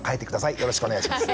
よろしくお願いします。